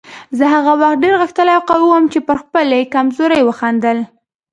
زه هغه وخت ډېر غښتلی او قوي وم چې پر خپلې کمزورۍ وخندل.